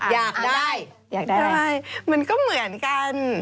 อยากได้มันก็เหมือนกัน